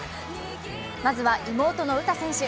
まずは妹の詩選手。